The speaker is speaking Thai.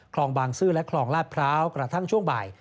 คลองบางซื่อและคลองลาดพร้าวกระทั่งช่วงบ่าย